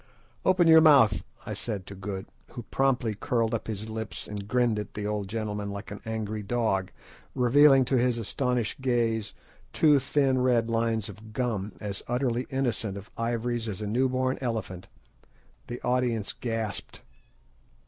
"Open your mouth," I said to Good, who promptly curled up his lips and grinned at the old gentleman like an angry dog, revealing to his astonished gaze two thin red lines of gum as utterly innocent of ivories as a new born elephant. The audience gasped.